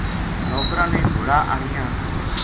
نوکراں نے گھوڑا آنیا